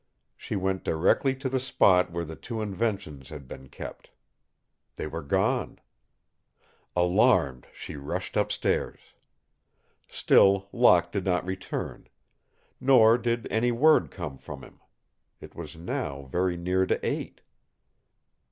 She went directly to the spot where the two inventions had been kept. They were gone. Alarmed, she rushed up stairs. Still Locke did not return. Nor did any word come from him. It was now very near to eight.